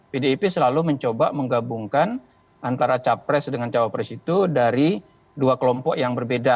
pdip selalu mencoba menggabungkan antara capres dengan cawapres itu dari dua kelompok yang berbeda